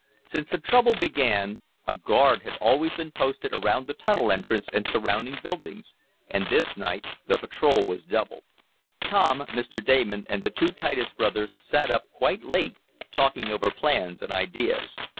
Since the trouble began a guard had been always posted around the tunnel entrance and surrounding buildings, and this night the patrol was doubled. Tom, Mr. Damon and the two Titus brothers sat up quite late, talking over plans and ideas.